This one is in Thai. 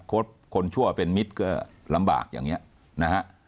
คนชั่วเป็นมิตรก็ลำบากอย่างนี้นะฮะ